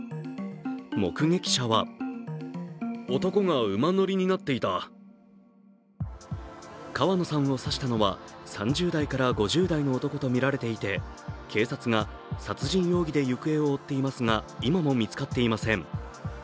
目撃者は川野さんを刺したのは３０代から５０代の男とみられていて、警察が殺人容疑で行方を追っていますが、今も見つかっていません。